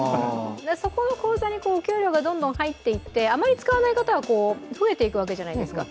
そこの口座にお給料がどんどん入っていって、あまり使わない方は増えていくわけじゃないですか。